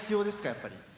やっぱり。